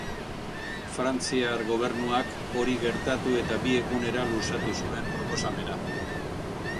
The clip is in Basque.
Frantziar gobernuak hori gertatu eta bi egunera luzatu zuen proposamena.